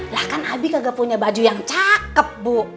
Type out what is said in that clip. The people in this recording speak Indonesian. lah kan abi kagak punya baju yang cakep bu